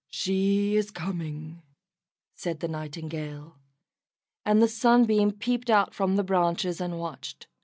"She is coming!" said the Nightingale, and the Sunbeam peeped out from the branches, and watched.